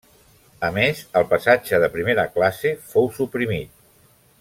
A més, el passatge de primera classe fou suprimit.